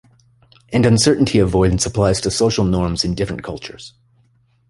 And uncertainty avoidance applies to social norms in different cultures.